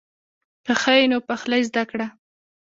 که ښه یې نو پخلی زده کړه.